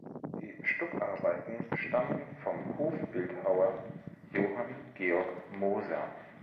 Die Stuckarbeiten stammen vom Hofbildhauer Johann Georg Moser.